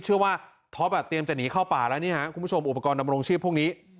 ว่าท็อปเตรียมจะหนีเข้าป่าแล้วนี่ฮะคุณผู้ชมอุปกรณ์ดำรงชีพพวกนี้